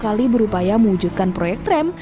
kali berupaya mewujudkan proyek tram